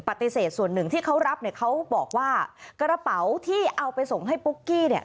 ปฏิเสธส่วนหนึ่งที่เขารับเนี่ยเขาบอกว่ากระเป๋าที่เอาไปส่งให้ปุ๊กกี้เนี่ย